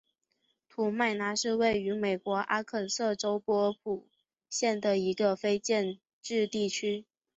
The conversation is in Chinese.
士麦拿是位于美国阿肯色州波普县的一个非建制地区。